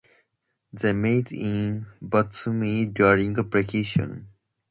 They met in Batumi during vacation.